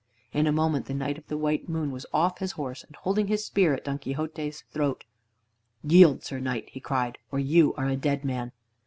In a moment the Knight of the White Moon was off his horse and holding his spear at Don Quixote's throat. "Yield, Sir Knight!" he cried, "or you are a dead man."